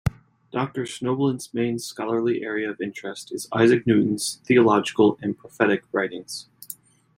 Doctor Snobelen's main scholarly area of interest is Isaac Newton's theological and prophetic writings.